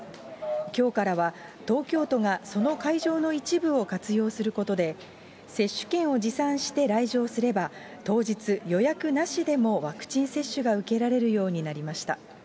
きょうからは、東京都がその会場の一部を活用することで、接種券を持参して来場すれば、当日、予約なしでもワクチン接種が受けられるようになりました。